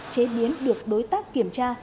chế biến được đối tác kiểm tra